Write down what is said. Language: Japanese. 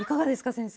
先生。